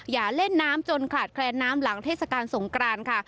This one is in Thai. อย่าเล่นน้ำจนขาดแคลนน้ำหลังเทศกาลสงกรานค่ะ